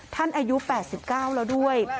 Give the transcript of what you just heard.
อายุ๘๙แล้วด้วย